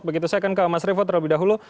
begitu saya akan ke mas revo terlebih dahulu